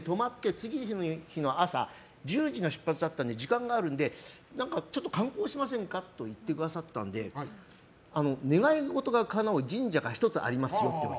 次の日の朝１０時の出発で時間があるのでちょっと観光しませんかと言ってくださったので願い事がかなう神社がありますと。